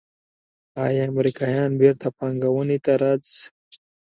آیا امریکایان بیرته پانګونې ته راځí؟